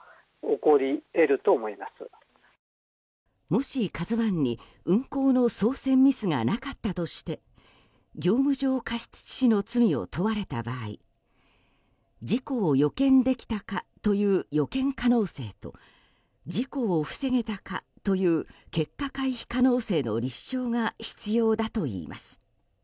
もし「ＫＡＺＵ１」に運航の操船ミスがなかったとして業務上過失致死の罪を問われた場合事故を予見できたかという予見可能性と事故を防げたかという結果回避可能性の立証が必要だといいます。